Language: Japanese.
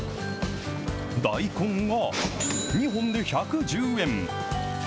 大根は２本で１１０円。